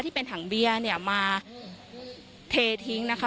ที่เป็นถังเบียร์เนี่ยมาเททิ้งนะคะ